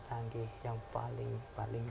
canggih yang paling